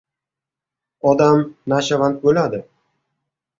Odam nashavand bo‘ladi.